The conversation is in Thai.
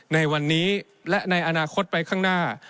ในวันนี้และในอนาคตไปข้างหน้า